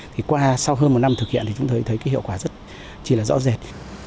thì qua sau hơn một năm thực hiện thì chúng tôi thấy cái hiệu quả rất chỉ là rõ rệt